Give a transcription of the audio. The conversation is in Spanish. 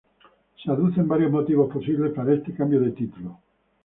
Se aducen varios motivos posibles para este cambio de título.